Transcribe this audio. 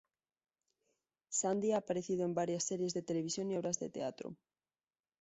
Sandy ha aparecido en varias series de televisión y obras de teatro.